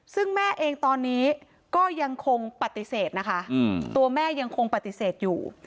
ซึ่งแม่เองตอนนี้ก็ยังคงปฏิเสธนะคะตัวแม่ยังคงปฏิเสธอยู่